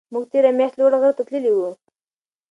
موږ تېره میاشت لوړ غره ته تللي وو.